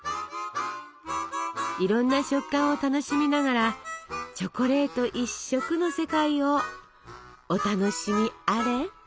いろんな食感を楽しみながらチョコレート一色の世界をお楽しみあれ。